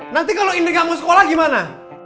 nanti kalau indri gak mau sekolah gimana